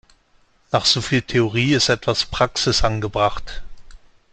Nach so viel Theorie ist etwas Praxis angebracht.